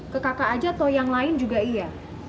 ke kakak aja atau yang lain juga iya